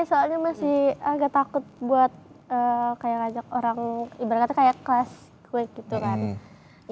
soalnya masih agak takut buat kayak ngajak orang ibaratnya kayak class kue gitu kan